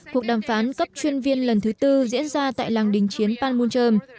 cuộc đàm phán cấp chuyên viên lần thứ tư diễn ra tại làng đình chiến panmunjom